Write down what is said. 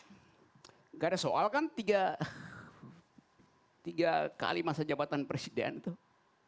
tidak ada soal kan tiga kali masa jabatan presiden tuh